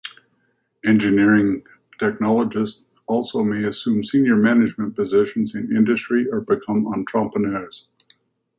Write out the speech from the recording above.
Engineering technologists also may assume senior management positions in industry or become entrepreneurs.